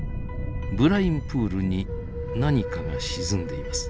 ブラインプールに何かが沈んでいます。